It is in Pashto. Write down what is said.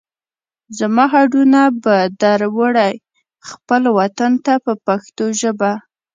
زما هډونه به در وړئ خپل وطن ته په پښتو ژبه.